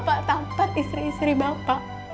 bapak tampar istri istri bapak